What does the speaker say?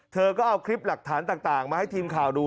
เธอก็เอาคลิปหลักฐานต่างมาให้ทีมข่าวดู